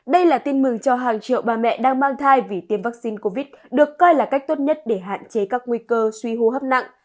đây là tin mừng cho hàng triệu bà mẹ đang mang thai vì tiêm vaccine covid được coi là cách tốt nhất để hạn chế các nguy cơ suy hô hấp nặng